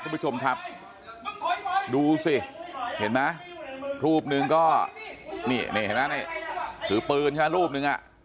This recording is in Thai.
คุณผู้ชมครับดูสิเห็นไหมรูปหนึ่งก็นี่นี่เห็นไหมนี่ถือปืนใช่ไหมรูปหนึ่งอ่ะ